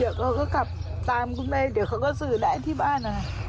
เดี๋ยวเขาก็กลับตามคุณให้เดี๋ยวเขาก็สื่อไหนที่บ้าน